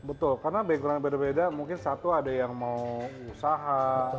betul karena background beda beda mungkin satu ada yang mau usaha